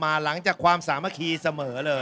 ตามมาหลังจากความสามารถคีย์เสมอเลย